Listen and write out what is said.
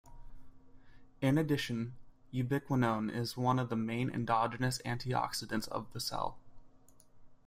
In addition, ubiquinone is one of the main endogenous antioxidants of the cell.